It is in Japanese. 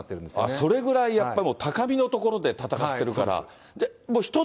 それぐらいやっぱり高みの所で戦ってるから。